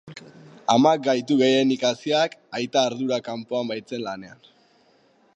Amak gaitu gehienik haziak, aita ardura kanpoan baitzen lanean.